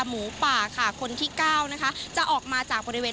หมูป่าค่ะคนที่เก้านะคะจะออกมาจากบริเวณ